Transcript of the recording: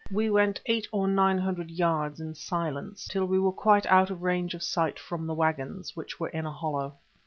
We went eight or nine hundred yards in silence till we were quite out of range of sight from the waggons, which were in a hollow.